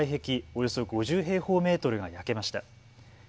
およそ５０平方メートルが焼けました。